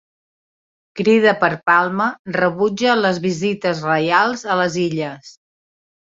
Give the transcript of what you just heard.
Crida per Palma rebutja les visites reials a les Illes